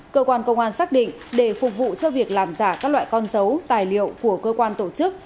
cơ quan công an xác định để phục vụ cho việc làm giả các loại con dấu tài liệu của cơ quan tổ chức